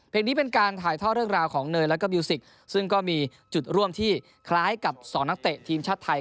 นี้เป็นการถ่ายทอดเรื่องราวของเนยแล้วก็มิวสิกซึ่งก็มีจุดร่วมที่คล้ายกับสองนักเตะทีมชาติไทย